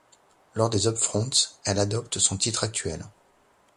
Lors des Upfronts, elle adopte son titre actuel.